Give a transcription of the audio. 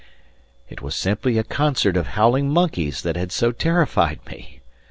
It was simply a concert of howling monkeys that had so terrified me!